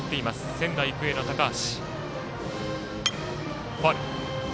仙台育英の高橋。